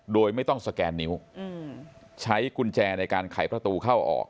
โดยไม่ต้องสแกนนิ้วใช้กุญแจในการไขประตูเข้าออก